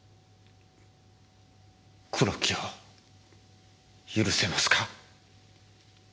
黒木を許せますか？